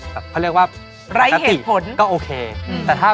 เขาเรียกว่าปกติก็โอเคไร้เหตุผล